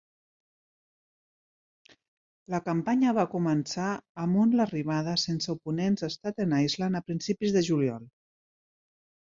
La campanya va començar amb un l'arribada sense oponents a Staten Island a principis de juliol.